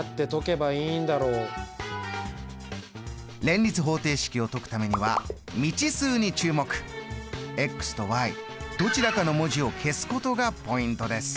連立方程式を解くためにはとどちらかの文字を消すことがポイントです。